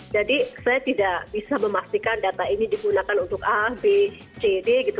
jadi saya tidak bisa memastikan data ini digunakan untuk a b c d gitu